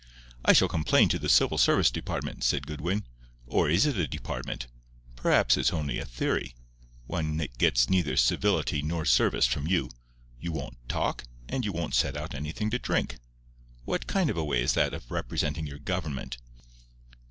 "I shall complain to the civil service department," said Goodwin;—"or is it a department?—perhaps it's only a theory. One gets neither civility nor service from you. You won't talk; and you won't set out anything to drink. What kind of a way is that of representing your government?"